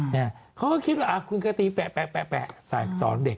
เขาก็คิดว่าคุณก็ตีแปะใส่สอนเด็ก